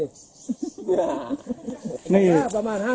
เหลืองเท้าอย่างนั้น